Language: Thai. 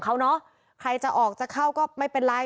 เค้ายังไม่ละออก